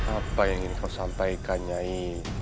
apa yang ingin kau sampaikan nyai